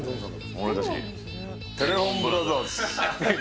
俺たちテレフォンブラザーズ。